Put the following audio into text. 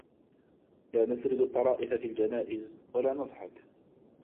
لا نسرد الطرائف في الجنائز، ولا نضحك.